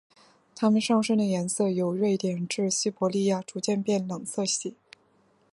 它们上身的颜色由瑞典至西伯利亚逐渐变冷色系。